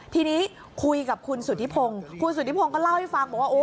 ทีนี้คุยกับคุณสุธิพงศ์คุณสุธิพงศ์ก็เล่าให้ฟังบอกว่า